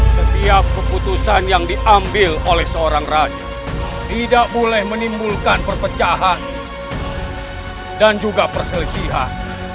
setiap keputusan yang diambil oleh seorang radi tidak boleh menimbulkan perpecahan dan juga perselisihan